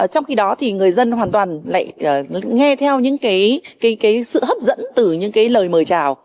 trong khi đó người dân hoàn toàn nghe theo sự hấp dẫn từ những lời mời chào